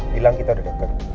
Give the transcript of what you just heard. bilang kita udah deket